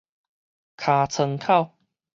尻川口